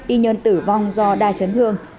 y nhân tử vong do đai chấn thương